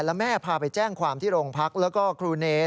แล้วแม่พาไปแจ้งความที่โรงพัก